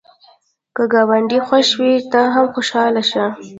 که ګاونډی خوښ وي، ته هم خوشحاله شه